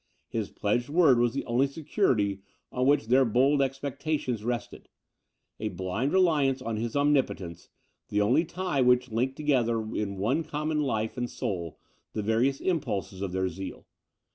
His pledged word was the only security on which their bold expectations rested; a blind reliance on his omnipotence, the only tie which linked together in one common life and soul the various impulses of their zeal.